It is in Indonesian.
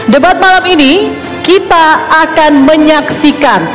debat malam ini kita akan menyaksikan